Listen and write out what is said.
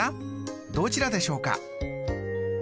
どちらでしょうか？